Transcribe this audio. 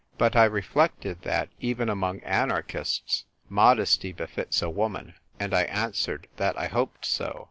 But I reflected that, even among anarchists, modesty befits a woman, and I answered that I hoped so.